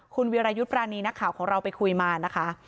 คุณวิรายุทธ์ปรานีนักข่าวของเราไปคุยมานะคะ